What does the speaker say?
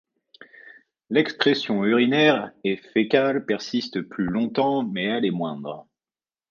L'excrétion urinaire et fécale persiste plus longtemps, mais elle est moindre.